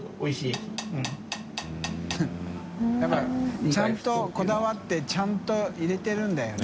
笋辰ちゃんとこだわって舛磴鵑入れてるんだよね。